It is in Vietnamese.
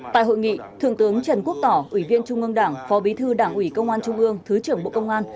tại hội nghị thượng tướng trần quốc tỏ ủy viên trung ương đảng phó bí thư đảng ủy công an trung ương thứ trưởng bộ công an